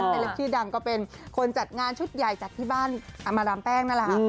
เล็ปชื่อดังก็เป็นคนจัดงานชุดใหญ่จากที่บ้านอามารามแป้งนั่นแหละค่ะ